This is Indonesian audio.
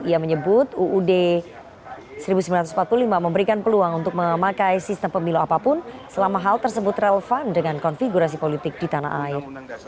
ia menyebut uud seribu sembilan ratus empat puluh lima memberikan peluang untuk memakai sistem pemilu apapun selama hal tersebut relevan dengan konfigurasi politik di tanah air